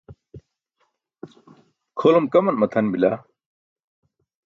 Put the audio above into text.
kʰolum kaman matʰan bila